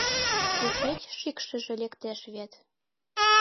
Кушеч шикшыже лектеш вет?